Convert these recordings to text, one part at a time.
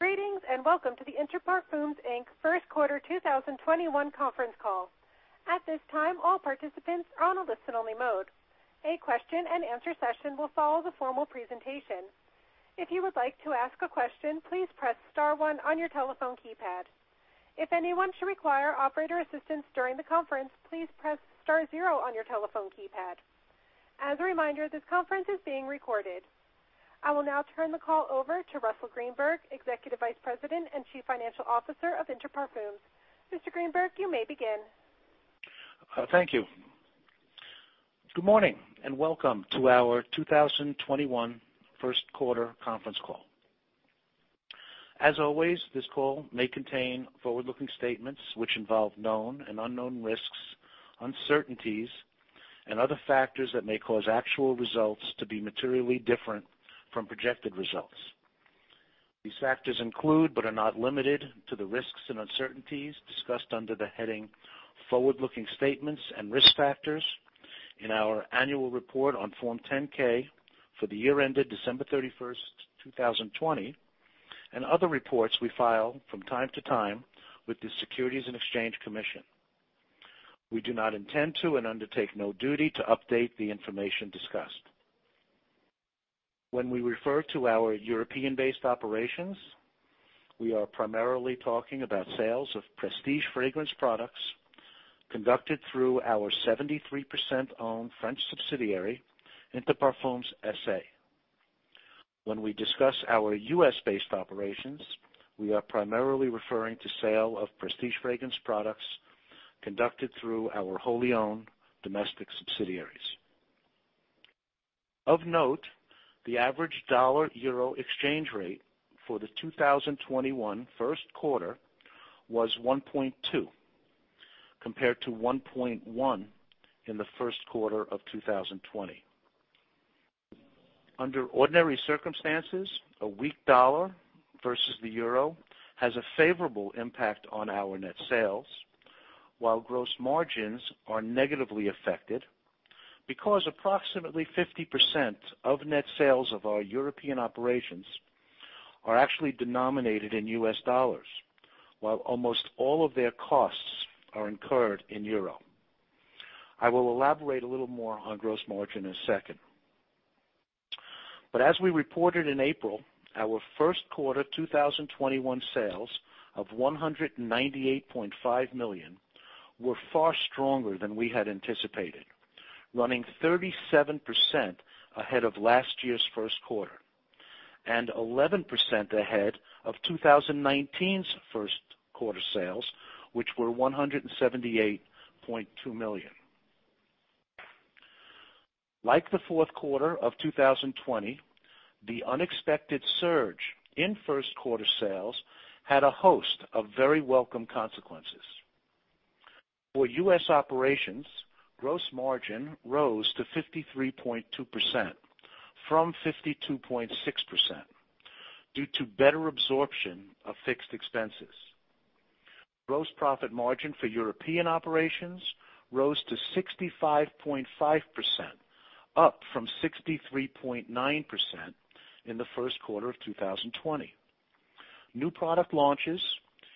Greetings, and welcome to the Inter Parfums Inc. First Quarter 2021 Conference Call. At this time, all participants are on a listen only mode. A question and answer session will follow the formal presentation. If you would like to ask a question, please press star one on your telephone keypad. If anyone should require operator assistance during the conference, please press star zero on your telephone keypad. As a reminder, this conference is being recorded. I will now turn the call over to Russell Greenberg, Executive Vice President and Chief Financial Officer of Inter Parfums. Mr. Greenberg, you may begin. Thank you. Good morning, and welcome to our 2021 first quarter conference call. As always, this call may contain forward-looking statements which involve known and unknown risks, uncertainties, and other factors that may cause actual results to be materially different from projected results. These factors include, but are not limited to, the risks and uncertainties discussed under the heading "Forward-Looking Statements and Risk Factors" in our annual report on Form 10-K for the year ended December 31st, 2020, and other reports we file from time to time with the Securities and Exchange Commission. We do not intend to and undertake no duty to update the information discussed. When we refer to our European-based operations, we are primarily talking about sales of prestige fragrance products conducted through our 73%-owned French subsidiary, Inter Parfums S.A. When we discuss our U.S.-based operations, we are primarily referring to sale of prestige fragrance products conducted through our wholly-owned domestic subsidiaries. Of note, the average dollar-EUR exchange rate for the 2021 first quarter was 1.2, compared to 1.1 in the first quarter of 2020. Under ordinary circumstances, a weak dollar versus the EUR has a favorable impact on our net sales, while gross margins are negatively affected, because approximately 50% of net sales of our European operations are actually denominated in U.S. dollars, while almost all of their costs are incurred in EUR. I will elaborate a little more on gross margin in a second. As we reported in April, our first quarter 2021 sales of $198.5 million were far stronger than we had anticipated, running 37% ahead of last year's first quarter, and 11% ahead of 2019's first quarter sales, which were $178.2 million. Like the fourth quarter of 2020, the unexpected surge in first quarter sales had a host of very welcome consequences. For U.S. operations, gross margin rose to 53.2% from 52.6%, due to better absorption of fixed expenses. Gross profit margin for European operations rose to 65.5%, up from 63.9% in the first quarter of 2020. New product launches,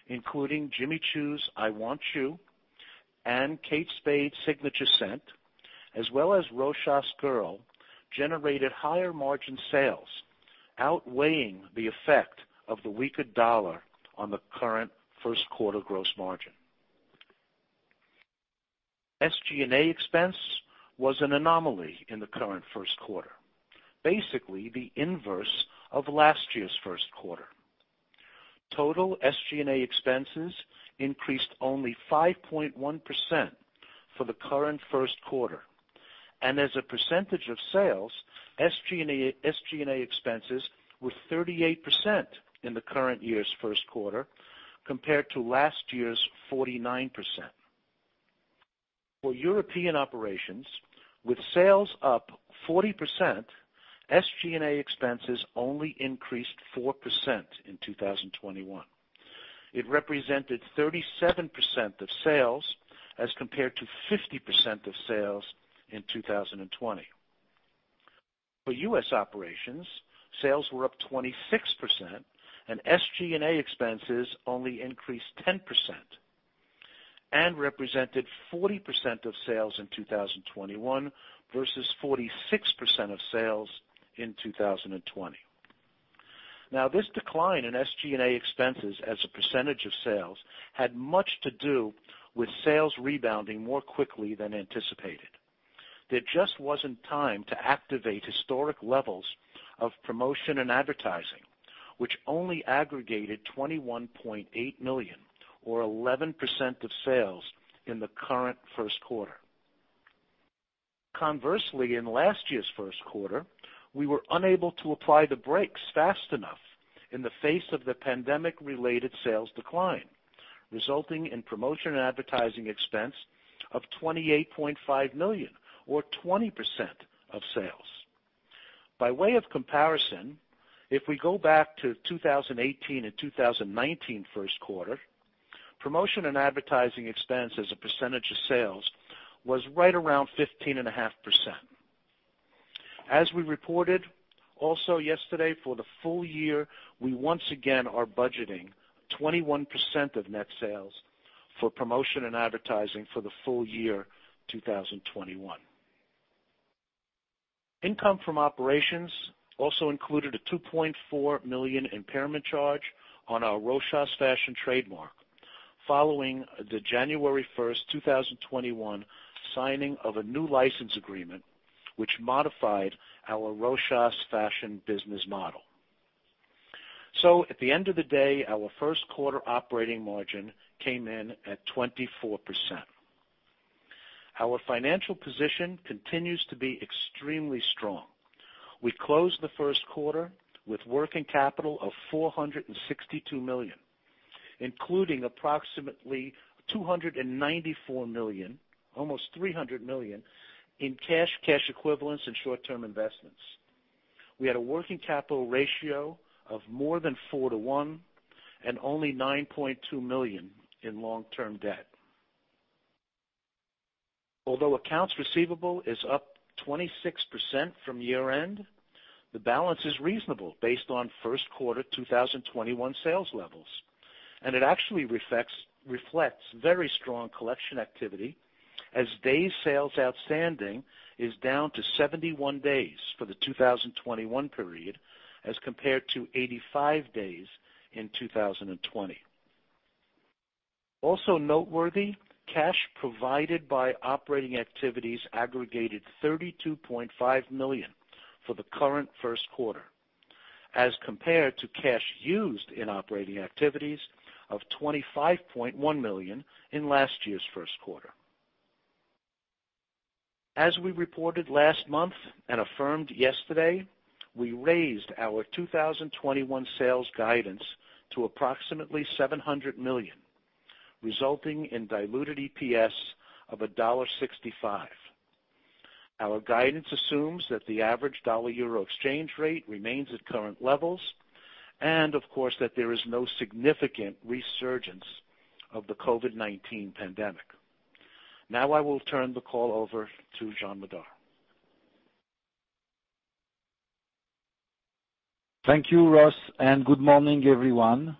including Jimmy Choo's I Want Choo and Kate Spade Signature Scent, as well as Rochas Girl, generated higher margin sales, outweighing the effect of the weaker dollar on the current first quarter gross margin. SG&A expense was an anomaly in the current first quarter, basically the inverse of last year's first quarter. Total SG&A expenses increased only 5.1% for the current first quarter. As a percentage of sales, SG&A expenses were 38% in the current year's first quarter, compared to last year's 49%. For European operations, with sales up 40%, SG&A expenses only increased 4% in 2021. It represented 37% of sales as compared to 50% of sales in 2020. For U.S. operations, sales were up 26%, and SG&A expenses only increased 10%, and represented 40% of sales in 2021 versus 46% of sales in 2020. This decline in SG&A expenses as a percentage of sales had much to do with sales rebounding more quickly than anticipated. There just wasn't time to activate historic levels of promotion and advertising, which only aggregated $21.8 million, or 11% of sales in the current first quarter. Conversely, in last year's first quarter, we were unable to apply the brakes fast enough in the face of the pandemic-related sales decline, resulting in promotion and advertising expense of $28.5 million, or 20% of sales. By way of comparison, if we go back to 2018 and 2019 first quarter, promotion and advertising expense as a percentage of sales was right around 15.5%. As we reported also yesterday for the full year, we once again are budgeting 21% of net sales for promotion and advertising for the full year 2021. Income from operations also included a $2.4 million impairment charge on our Rochas fashion trademark following the January 1st, 2021, signing of a new license agreement, which modified our Rochas fashion business model. At the end of the day, our first quarter operating margin came in at 24%. Our financial position continues to be extremely strong. We closed the first quarter with working capital of $462 million, including approximately $294 million, almost $300 million, in cash equivalents, and short-term investments. We had a working capital ratio of more than four to one and only $9.2 million in long-term debt. Although accounts receivable is up 26% from year-end, the balance is reasonable based on first quarter 2021 sales levels, and it actually reflects very strong collection activity as day sales outstanding is down to 71 days for the 2021 period as compared to 85 days in 2020. Also noteworthy, cash provided by operating activities aggregated $32.5 million for the current first quarter as compared to cash used in operating activities of $25.1 million in last year's first quarter. As we reported last month and affirmed yesterday, we raised our 2021 sales guidance to approximately $700 million, resulting in diluted EPS of $1.65. Our guidance assumes that the average dollar-EUR exchange rate remains at current levels, and of course, that there is no significant resurgence of the COVID-19 pandemic. I will turn the call over to Jean Madar. Thank you, Russ, and good morning, everyone.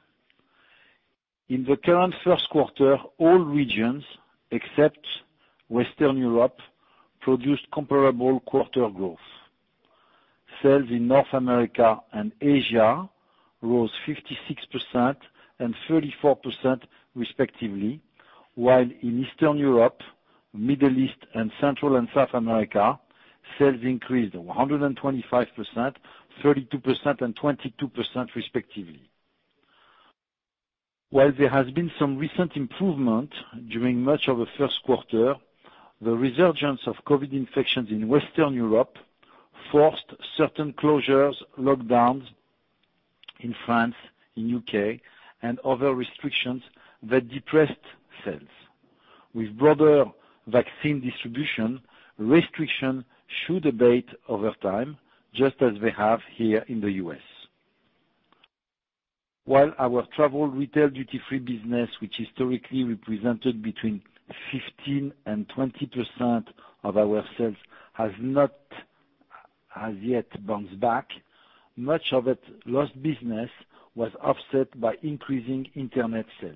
In the current first quarter, all regions, except Western Europe, produced comparable quarter growth. Sales in North America and Asia rose 56% and 34% respectively, while in Eastern Europe, Middle East, and Central and South America, sales increased 125%, 32%, and 22% respectively. While there has been some recent improvement during much of the first quarter, the resurgence of COVID infections in Western Europe forced certain closures, lockdowns in France, in U.K., and other restrictions that depressed sales. With broader vaccine distribution, restrictions should abate over time, just as they have here in the U.S. While our travel retail duty-free business, which historically represented between 15%-20% of our sales, has not as yet bounced back, much of its lost business was offset by increasing internet sales.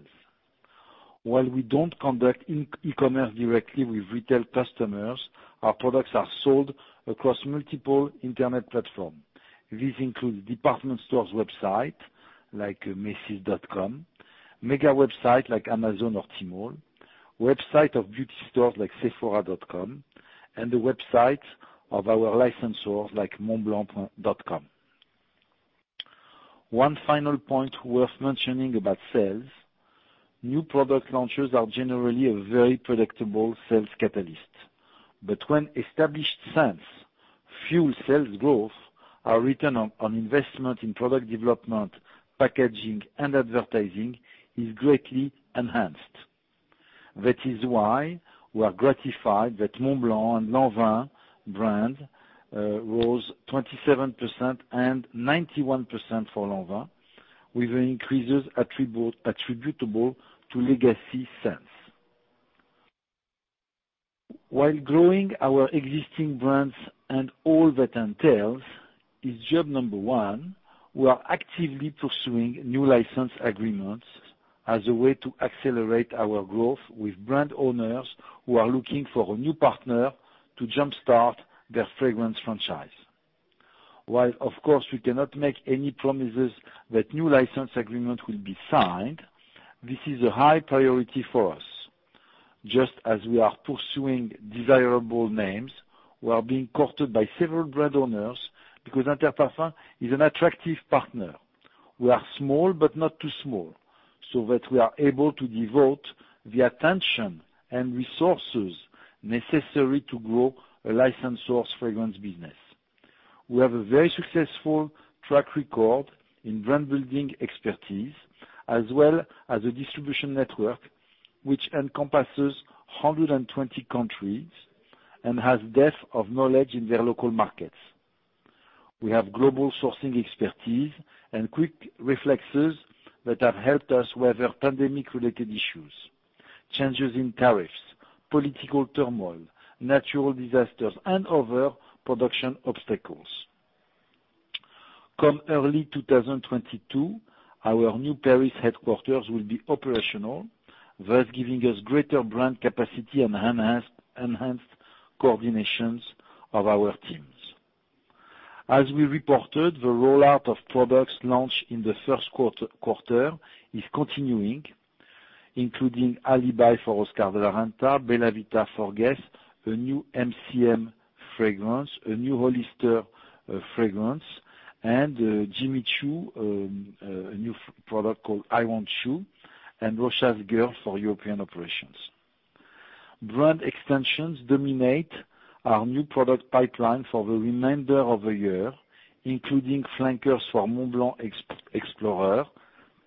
While we don't conduct e-commerce directly with retail customers, our products are sold across multiple internet platforms. These include department stores website like macys.com, mega website like Amazon or Tmall, website of beauty stores like sephora.com, and the website of our license stores like montblanc.com. One final point worth mentioning about sales, new product launches are generally a very predictable sales catalyst. When established scents fuel sales growth, our return on investment in product development, packaging, and advertising is greatly enhanced. That is why we are gratified that Montblanc and Lanvin brand rose 27% and 91% for Lanvin, with increases attributable to legacy scents. While growing our existing brands and all that entails is job number one, we are actively pursuing new license agreements as a way to accelerate our growth with brand owners who are looking for a new partner to jumpstart their fragrance franchise. While of course, we cannot make any promises that new license agreement will be signed, this is a high priority for us. Just as we are pursuing desirable names, we are being courted by several brand owners because Inter Parfums is an attractive partner. We are small but not too small, so that we are able to devote the attention and resources necessary to grow a license source fragrance business. We have a very successful track record in brand building expertise, as well as a distribution network, which encompasses 120 countries and has depth of knowledge in their local markets. We have global sourcing expertise and quick reflexes that have helped us weather pandemic-related issues, changes in tariffs, political turmoil, natural disasters, and other production obstacles. Come early 2022, our new Paris headquarters will be operational, thus giving us greater brand capacity and enhanced coordinations of our teams. As we reported, the rollout of products launched in the first quarter is continuing, including Alibi for Oscar de la Renta, Bella Vita for GUESS, a new MCM fragrance, a new Hollister fragrance, and Jimmy Choo, a new product called I Want Choo, and Rochas Girl for European operations. Brand extensions dominate our new product pipeline for the remainder of the year, including flankers for Montblanc Explorer,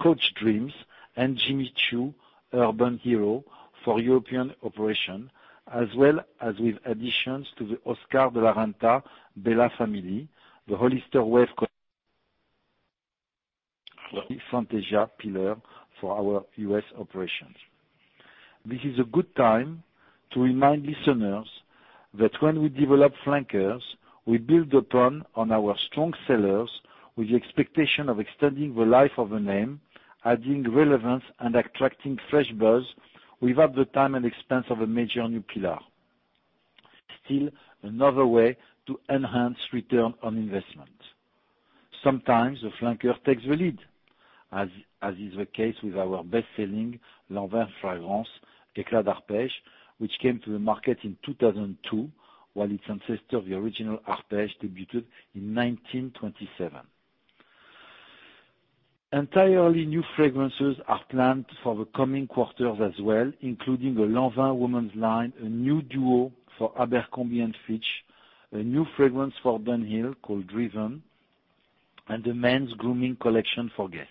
Coach Dreams, and Jimmy Choo Urban Hero for European operation, as well as with additions to the Oscar de la Renta Bella family, the Hollister Wave pillar for our U.S. operations. This is a good time to remind listeners that when we develop flankers, we build upon our strong sellers with the expectation of extending the life of a name, adding relevance, and attracting fresh buzz without the time and expense of a major new pillar. Another way to enhance return on investment. Sometimes the flanker takes the lead, as is the case with our best-selling Lanvin fragrance, Éclat d'Arpège, which came to the market in 2002, while its ancestor, the original Arpège, debuted in 1927. Entirely new fragrances are planned for the coming quarters as well, including a Lanvin women's line, a new duo for Abercrombie & Fitch, a new fragrance for Dunhill called Driven, and a men's grooming collection for Guess.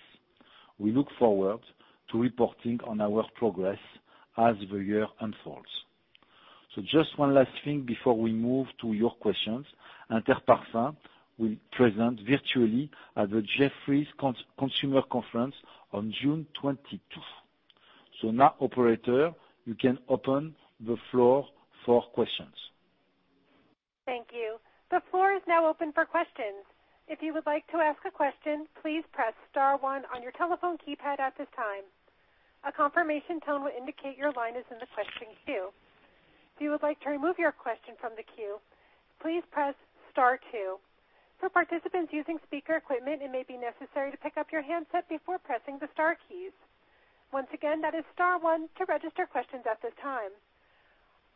We look forward to reporting on our progress as the year unfolds. Just one last thing before we move to your questions. Inter Parfums will present virtually at the Jefferies Consumer Conference on June 22nd. Now, operator, you can open the floor for questions. Thank you. The floor is now open for questions. If you would like to ask a question, please press star one on your telephone keypad at this time. A confirmation tone will indicate your line is in the question queue. If you would like to remove your question from the queue, please press star two. For participants using speaker equipment, it may be necessary to pick up your handset before pressing the star keys. Once again, that is star one to register questions at this time.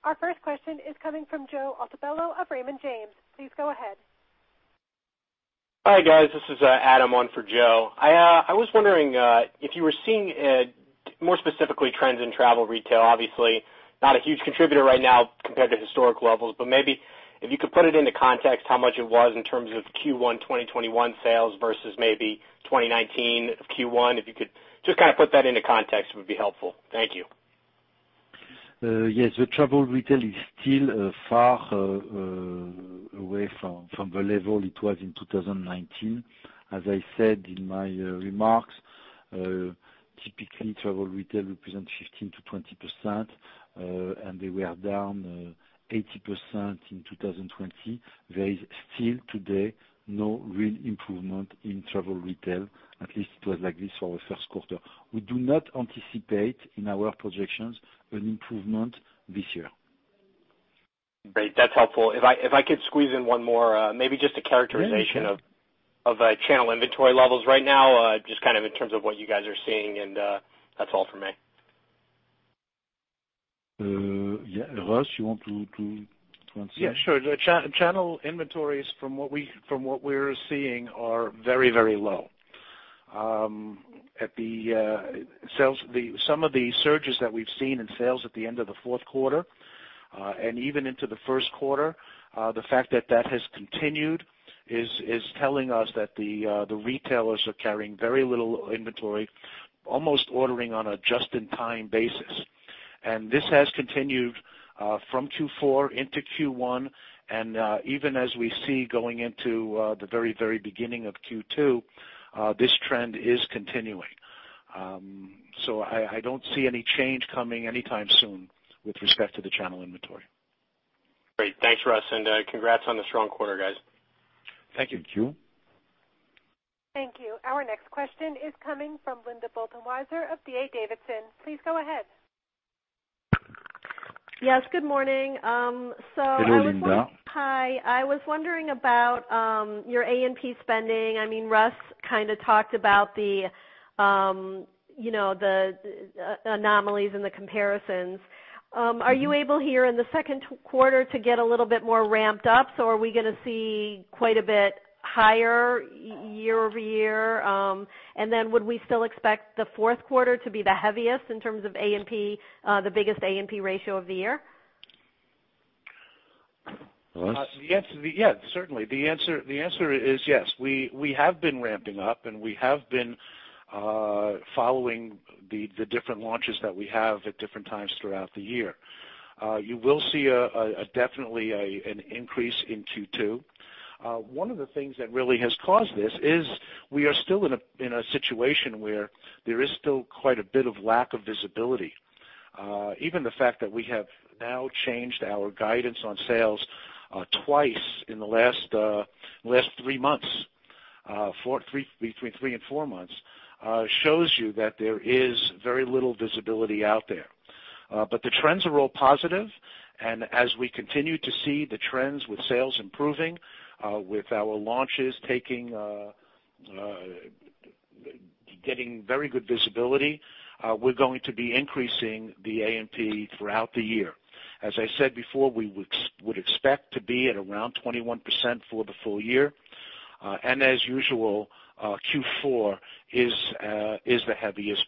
Our first question is coming from Joseph Altobello of Raymond James. Please go ahead. Hi, guys. This is Adam on for Joe. I was wondering if you were seeing, more specifically, trends in travel retail. Obviously, not a huge contributor right now compared to historic levels, but maybe if you could put it into context how much it was in terms of Q1 2021 sales versus maybe 2019 Q1. If you could just kind of put that into context, it would be helpful. Thank you. Yes. The travel retail is still far away from the level it was in 2019. As I said in my remarks, typically travel retail represents 15%-20%, and they were down 80% in 2020. There is still today no real improvement in travel retail. At least it was like this for the first quarter. We do not anticipate in our projections an improvement this year. Great. That's helpful. If I could squeeze in one more, maybe just a characterization. Yeah, sure. Of channel inventory levels right now, just in terms of what you guys are seeing, and that's all for me. Yeah. Russ, you want to answer? Yeah, sure. Channel inventories from what we're seeing are very low. Some of the surges that we've seen in sales at the end of the fourth quarter, and even into the first quarter, the fact that that has continued is telling us that the retailers are carrying very little inventory, almost ordering on a just-in-time basis. This has continued from Q4 into Q1, and even as we see going into the very beginning of Q2, this trend is continuing. I don't see any change coming anytime soon with respect to the channel inventory. Great. Thanks, Russ, and congrats on the strong quarter, guys. Thank you. Thank you. Thank you. Our next question is coming from Linda Bolton-Weiser of D.A. Davidson. Please go ahead. Yes, good morning. Hello, Linda. Hi. I was wondering about your A&P spending. Russ kind of talked about the anomalies and the comparisons. Are you able, here in the second quarter, to get a little bit more ramped up? Are we going to see quite a bit higher year-over-year? Would we still expect the fourth quarter to be the heaviest in terms of the biggest A&P ratio of the year? Russ? Certainly. The answer is yes. We have been ramping up, and we have been following the different launches that we have at different times throughout the year. You will see definitely an increase in Q2. One of the things that really has caused this is we are still in a situation where there is still quite a bit of lack of visibility. Even the fact that we have now changed our guidance on sales twice in the last three and four months, shows you that there is very little visibility out there. The trends are all positive, and as we continue to see the trends with sales improving, with our launches getting very good visibility, we're going to be increasing the A&P throughout the year. As I said before, we would expect to be at around 21% for the full year. As usual, Q4 is the heaviest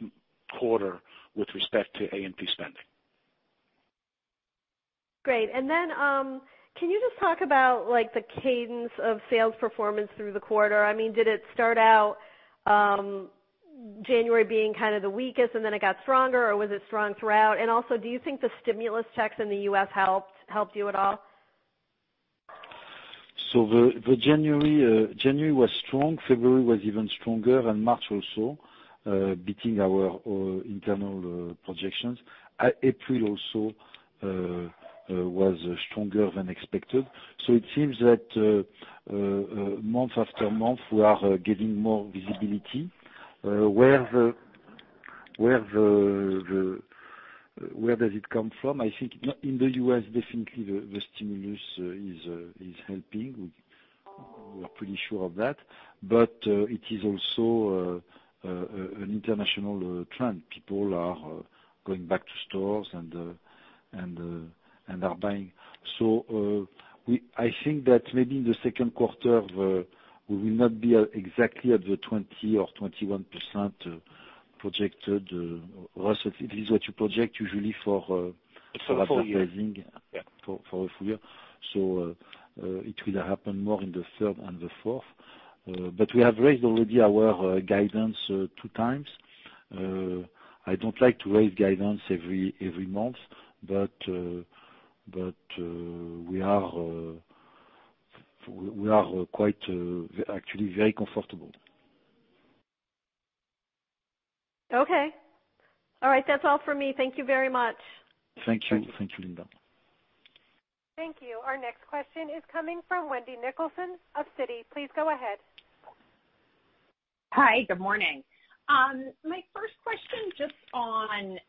quarter with respect to A&P spending. Great. Then, can you just talk about the cadence of sales performance through the quarter? Did it start out January being the weakest and then it got stronger, or was it strong throughout? Also, do you think the stimulus checks in the U.S. helped you at all? January was strong, February was even stronger, and March also, beating our internal projections. April also was stronger than expected. It seems that month after month, we are getting more visibility. Where does it come from? I think in the U.S., definitely the stimulus is helping. We are pretty sure of that. It is also an international trend. People are going back to stores and are buying. I think that maybe in the second quarter, we will not be exactly at the 20% or 21% projected. Russ, it is what you project usually for advertising- For full year for a full year. It will happen more in the third and the fourth. We have raised already our guidance two times. I don't like to raise guidance every month, but we are actually very comfortable. Okay. All right. That's all for me. Thank you very much. Thank you, Linda. Thank you. Our next question is coming from Wendy Nicholson of Citi. Please go ahead. Hi. Good morning. My first question, just on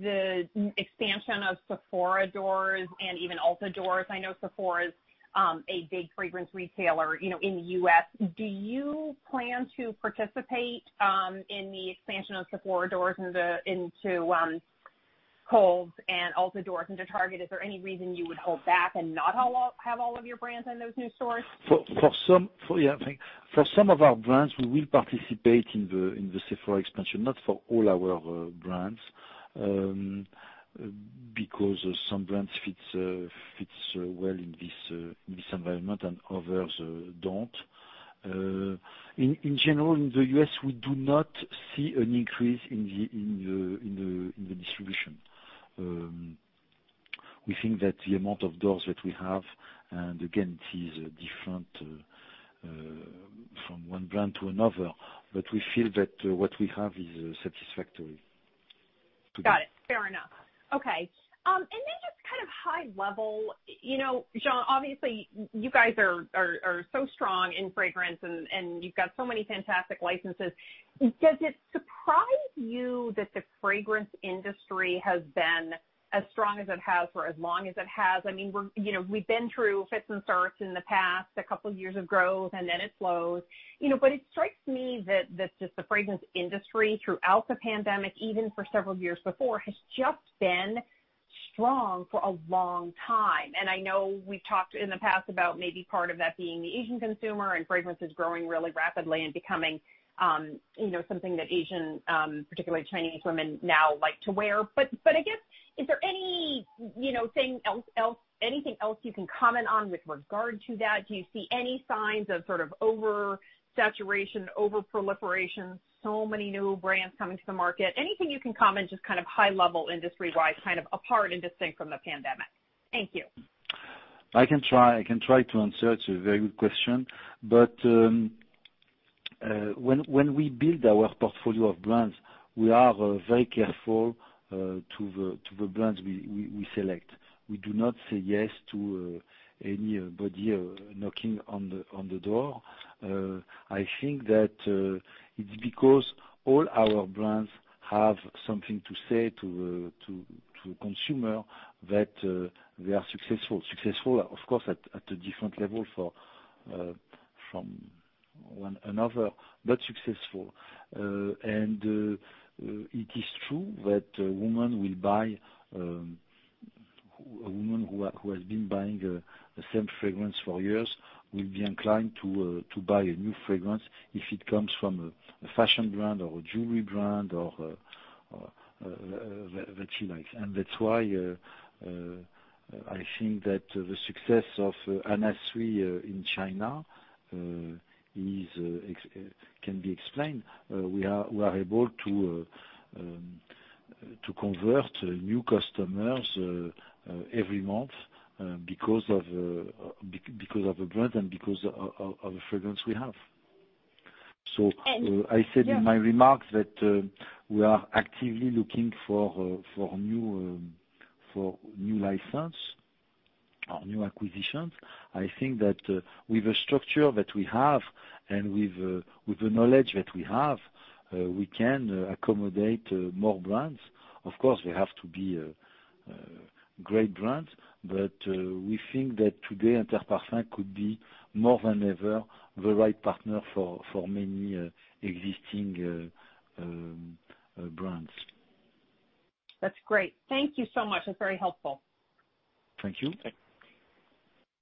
the expansion of Sephora doors and even Ulta doors. I know Sephora is a big fragrance retailer in the U.S. Do you plan to participate in the expansion of Sephora doors into Kohl's and Ulta doors into Target? Is there any reason you would hold back and not have all of your brands in those new stores? For some of our brands, we will participate in the Sephora expansion, not for all our brands, because some brands fits well in this environment, and others don't. In general, in the U.S., we do not see an increase in the distribution. We think that the amount of doors that we have, and again, it is different from one brand to another, but we feel that what we have is satisfactory. Got it. Fair enough. Okay. Then just high level, Jean, obviously, you guys are so strong in fragrance and you've got so many fantastic licenses. Does it surprise you that the fragrance industry has been as strong as it has for as long as it has? We've been through fits and starts in the past, a couple years of growth, and then it slows. It strikes me that just the fragrance industry throughout the pandemic, even for several years before, has just been strong for a long time. I know we've talked in the past about maybe part of that being the Asian consumer and fragrances growing really rapidly and becoming something that Asian, particularly Chinese women now like to wear. I guess, is there anything else you can comment on with regard to that? Do you see any signs of sort of over-saturation, over-proliferation, so many new brands coming to the market? Anything you can comment, just kind of high level, industry-wise, kind of apart and distinct from the pandemic? Thank you. I can try to answer. It's a very good question. When we build our portfolio of brands, we are very careful to the brands we select. We do not say yes to anybody knocking on the door. I think that it's because all our brands have something to say to consumer that they are successful. Successful, of course, at a different level from one another, but successful. It is true that a woman who has been buying the same fragrance for years will be inclined to buy a new fragrance if it comes from a fashion brand or a jewelry brand that she likes. That's why I think that the success of Anna Sui in China can be explained. We are able to convert new customers every month because of a brand and because of a fragrance we have. I said in my remarks that we are actively looking for new license or new acquisitions. I think that with the structure that we have and with the knowledge that we have, we can accommodate more brands. Of course, they have to be great brands. We think that today, Inter Parfums could be more than ever, the right partner for many existing brands. That's great. Thank you so much. That's very helpful. Thank you.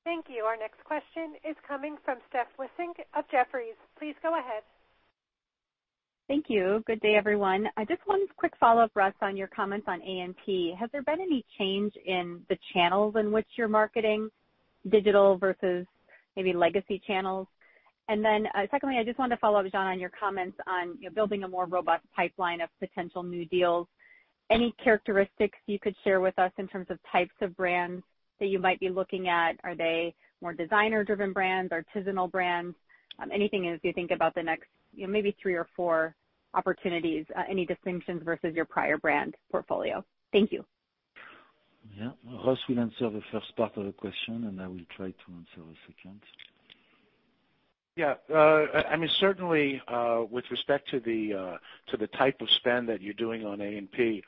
Thank you. Our next question is coming from Steph Wissink of Jefferies. Please go ahead. Thank you. Good day, everyone. Just one quick follow-up, Russ, on your comments on A&P. Has there been any change in the channels in which you're marketing digital versus maybe legacy channels? Secondly, I just wanted to follow up, Jean, on your comments on building a more robust pipeline of potential new deals. Any characteristics you could share with us in terms of types of brands that you might be looking at? Are they more designer-driven brands, artisanal brands? Anything as you think about the next maybe three or four opportunities, any distinctions versus your prior brand portfolio? Thank you. Yeah. Russ will answer the first part of the question, and I will try to answer the second. Certainly, with respect to the type of spend that you're doing on A&P,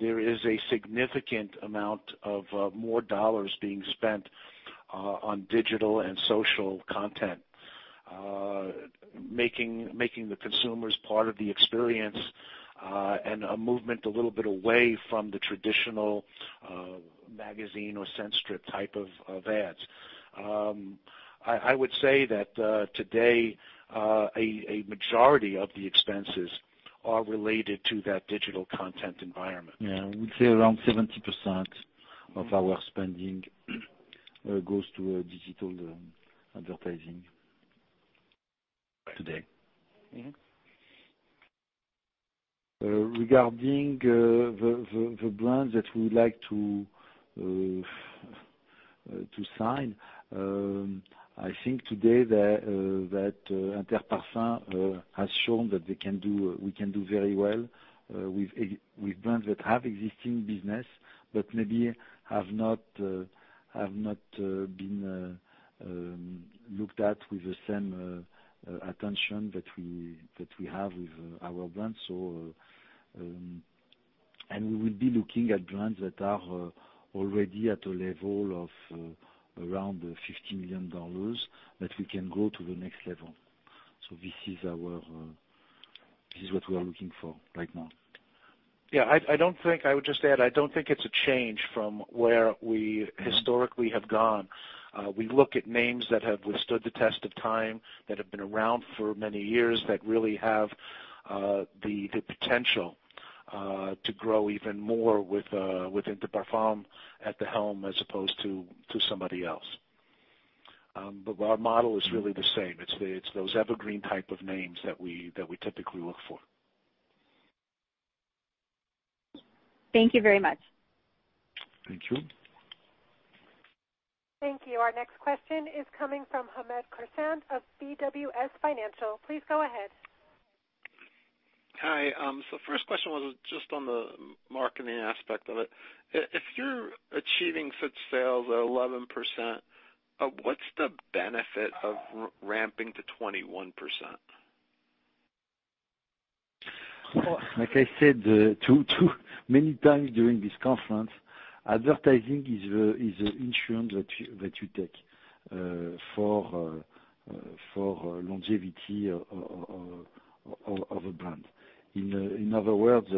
there is a significant amount of more dollars being spent on digital and social content, making the consumers part of the experience, and a movement a little bit away from the traditional magazine or scent strip type of ads. I would say that today, a majority of the expenses are related to that digital content environment. I would say around 70% of our spending goes to digital advertising today. Regarding the brands that we would like to sign, I think today that Inter Parfums has shown that we can do very well with brands that have existing business, but maybe have not been looked at with the same attention that we have with our brands. We will be looking at brands that are already at a level of around $50 million, that we can go to the next level. This is what we are looking for right now. I would just add, I don't think it's a change from where we historically have gone. We look at names that have withstood the test of time, that have been around for many years, that really have the potential to grow even more with Inter Parfums at the helm as opposed to somebody else. Our model is really the same. It's those evergreen type of names that we typically look for. Thank you very much. Thank you. Thank you. Our next question is coming from Hamed Khorsand of BWS Financial. Please go ahead. Hi. The first question was just on the marketing aspect of it. If you're achieving such sales at 11%, what's the benefit of ramping to 21%? Like I said too many times during this conference, advertising is the insurance that you take for longevity of a brand. In other words,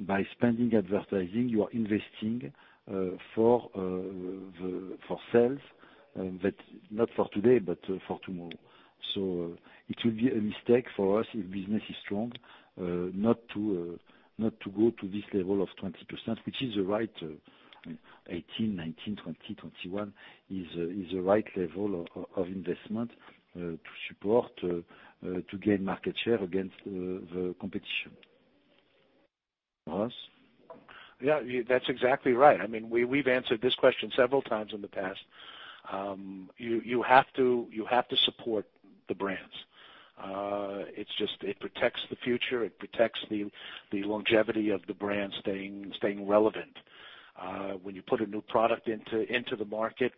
by spending advertising, you are investing for sales, not for today, but for tomorrow. It will be a mistake for us if business is strong, not to go to this level of 20%, which is the right 18, 19, 20, 21, is the right level of investment to support to gain market share against the competition. Russ? Yeah, that's exactly right. We've answered this question several times in the past. You have to support the brands. It protects the future. It protects the longevity of the brand staying relevant. When you put a new product into the market,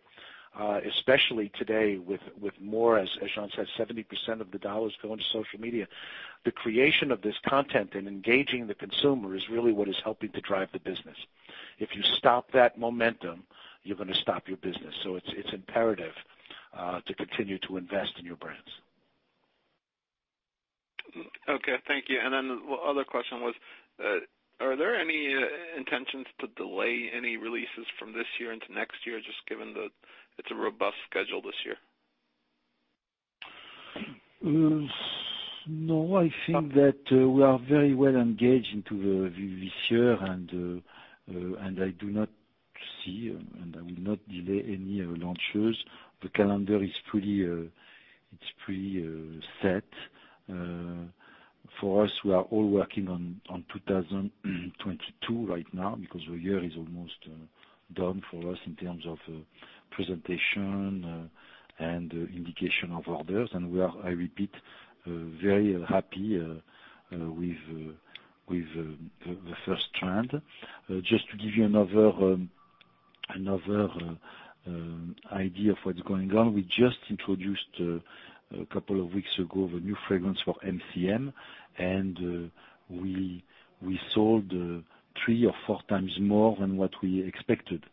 especially today with more, as Jean said, 70% of the dollars go into social media, the creation of this content and engaging the consumer is really what is helping to drive the business. If you stop that momentum, you're going to stop your business. It's imperative to continue to invest in your brands. Okay, thank you. The other question was, are there any intentions to delay any releases from this year into next year, just given that it's a robust schedule this year? I think that we are very well engaged into this year, I do not see, I will not delay any launches. The calendar is fully set. For us, we are all working on 2022 right now because the year is almost done for us in terms of presentation and indication of orders. We are, I repeat, very happy with the first trend. Just to give you another idea of what's going on, we just introduced a couple of weeks ago, the new fragrance for MCM, and we sold three or four times more than what we expected.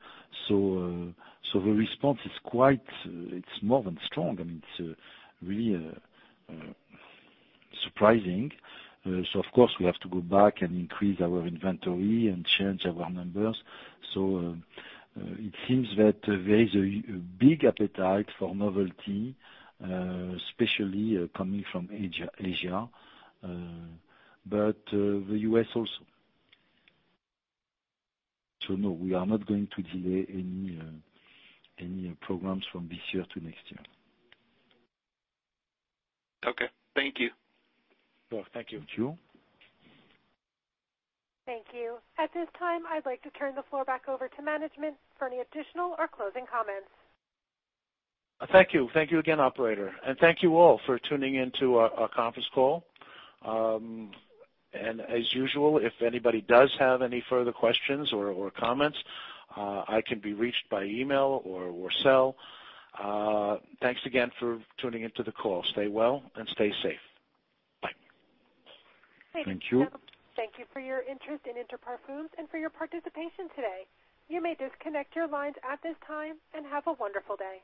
The response is more than strong. It's really surprising. Of course, we have to go back and increase our inventory and change our numbers. It seems that there is a big appetite for novelty, especially coming from Asia. The U.S. also. No, we are not going to delay any programs from this year to next year. Okay. Thank you. Well, thank you. Thank you. Thank you. At this time, I'd like to turn the floor back over to management for any additional or closing comments. Thank you. Thank you again, operator. Thank you all for tuning into our conference call. As usual, if anybody does have any further questions or comments, I can be reached by email or cell. Thanks again for tuning into the call. Stay well and stay safe. Bye. Thank you. Thank you for your interest in Inter Parfums and for your participation today. You may disconnect your lines at this time, and have a wonderful day.